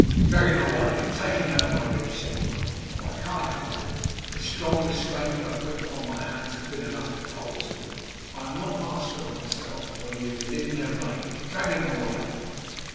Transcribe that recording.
'Drag him away! Take him out of my reach!' said Martin; 'or I can't help it. The strong restraint I have put upon my hands has been enough to palsy them. I am not master of myself while he is within their range. Drag him away!